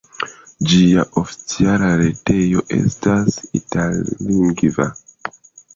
Ĝia oficiala retejo estas itallingva.